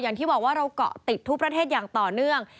อย่างที่บอกว่าเราเกาะติดทุกประเทศอย่างต่อเนื่อง